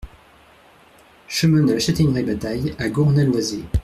Chemin de la Chataigneraie Batail à Gournay-Loizé